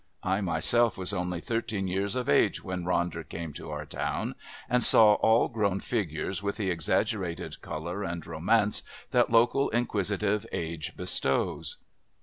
I myself was only thirteen years of age when Ronder came to our town, and saw all grown figures with the exaggerated colour and romance that local inquisitive age bestows.